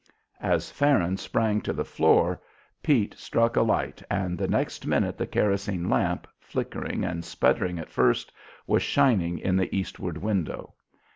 As Farron sprang to the floor, Pete struck a light, and the next minute the kerosene lamp, flickering and sputtering at first, was shining in the eastward window.